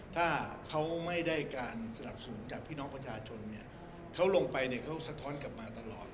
ถ้าเขาไม่ได้การสนับสนุนจากพี่น้องประชาชนเนี่ยเขาลงไปเนี่ยเขาสะท้อนกลับมาตลอด